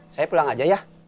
saya pulang aja ya